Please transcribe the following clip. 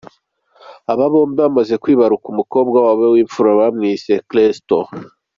Aba bombi bamaze kwibarukaumukobwa w’ imfura yabo bamwise ‘Crystal’.